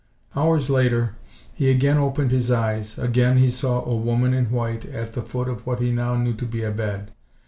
Hours later he again opened his eyes. Again he saw a woman in white at the foot of what he now knew to be a bed.